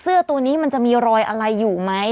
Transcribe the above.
เสื้อตัวนี้มันจะมีรอยอะไรอยู่ไหม